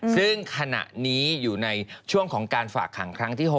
ซึ่งขณะนี้อยู่ในช่วงของการฝากขังครั้งที่๖